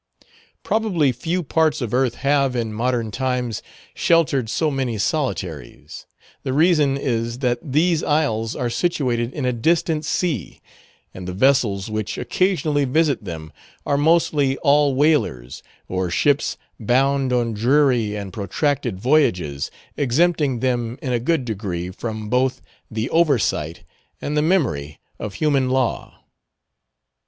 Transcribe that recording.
Probably few parts of earth have, in modern times, sheltered so many solitaries. The reason is, that these isles are situated in a distant sea, and the vessels which occasionally visit them are mostly all whalers, or ships bound on dreary and protracted voyages, exempting them in a good degree from both the oversight and the memory of human law.